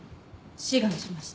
志願しました。